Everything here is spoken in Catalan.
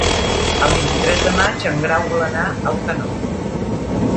El vint-i-tres de maig en Grau vol anar a Alcanó.